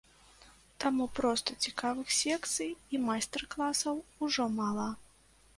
Таму проста цікавых секцый і майстар-класаў ужо мала.